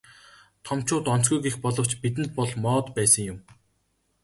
Томчууд онцгүй гэх боловч бидэнд бол моод байсан юм.